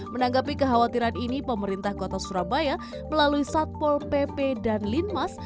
menanggapi kekhawatiran ini pemerintah kota surabaya melalui satpol pp dan linmas